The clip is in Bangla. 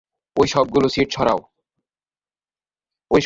ওই সবগুলো সিট সরাও।